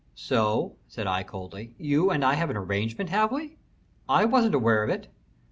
"So," said I, coldly. "You and I have an arrangement, have we? I wasn't aware of it."